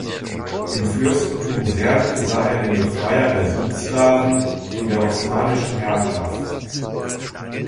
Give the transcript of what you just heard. Im Fürstentum Serbien sah er den Befreier der Südslawen von der osmanischen Herrschaft.